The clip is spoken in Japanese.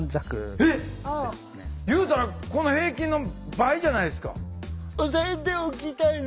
言うたらこの平均の倍じゃないですか。